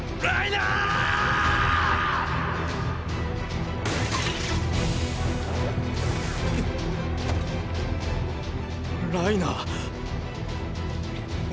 ライナー？